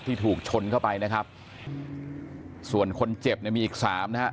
ถูกชนเข้าไปนะครับส่วนคนเจ็บเนี่ยมีอีกสามนะฮะ